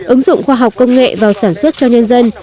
ứng dụng khoa học công nghệ vào sản xuất cho nhân dân